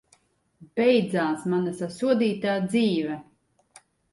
Beidzās mana sasodītā dzīve!